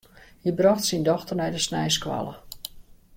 Hy brocht syn dochter nei de sneinsskoalle.